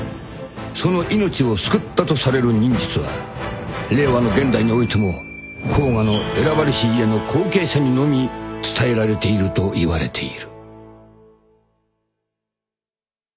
その命を救ったとされる忍術は令和の現代においても甲賀の選ばれし家の後継者にのみ伝えられているといわれている］